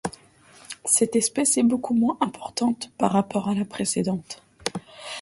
Cette espèce est beaucoup moins importante par rapport à la précédente.